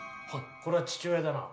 これは父親だな。